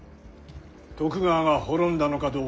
徳川が滅んだのかどうかは。